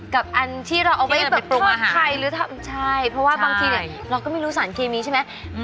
กับอันที่เราเอาไว้แบบโทษใครหรือทำใช่เพราะว่าบางทีเนี่ยเราก็ไม่รู้สารเคมีใช่ไหม